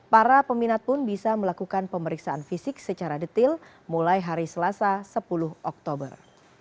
para peminat pun bisa melakukan pemeriksaan fisik secara detil mulai hari selasa sepuluh oktober